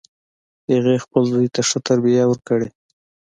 هغې خپل زوی ته ښه تربیه ورکړي